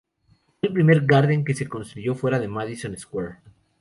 Fue el primer Garden que se construyó fuera de Madison Square.